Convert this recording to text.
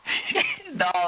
どうも。